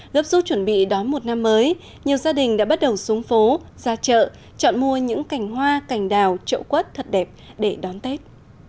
gấp rút chuẩn bị đón một năm mới nhiều gia đình đã bắt đầu xuống phố ra chợ chọn mua những cành hoa cảnh đào trậu quất thật đẹp để đón tết